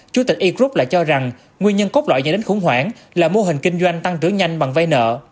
chủ tịch e group lại cho rằng nguyên nhân cốt lõi dẫn đến khủng hoảng là mô hình kinh doanh tăng trưởng nhanh bằng vai nợ